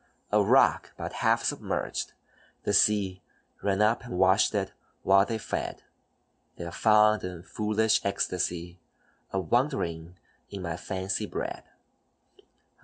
A rock but half submerged, the sea Ran up and washed it while they fed; Their fond and foolish ecstasy A wondering in my fancy bred.